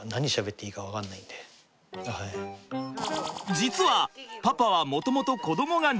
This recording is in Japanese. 実はパパはもともと子どもが苦手。